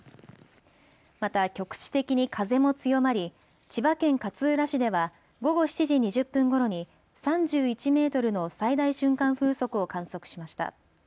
また局地的に風も強まり千葉県勝浦市では午後７時２０分ごろに３１メートルの最大瞬間風速を観測しました。